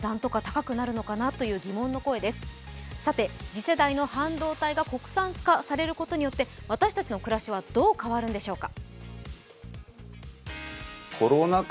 次世代の半導体が国産化されることによって私たちの暮らしはどう変わるんでしょうか。